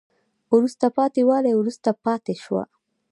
وروسته پاتې والی وروسته پاتې شوه